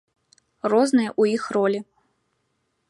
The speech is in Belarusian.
Розныя ў іх ролі.